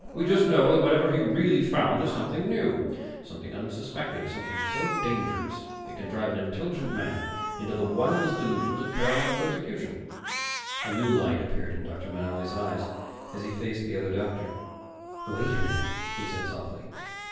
We just know that whatever he really found is something new, something unsuspected; something so dangerous it can drive an intelligent man into the wildest delusions of paranoid persecution." A new light appeared in Dr. Manelli's eyes as he faced the other doctor. "Wait a minute," he said softly.